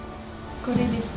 これです。